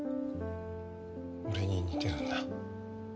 俺に似てるんだ。